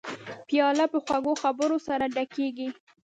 پیاله په خوږو خبرو سره ډکېږي.